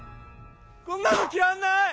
こんなの着らんない！